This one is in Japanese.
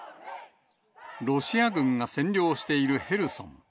ロシア軍が占領しているヘルソン。